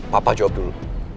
papa jawab dulu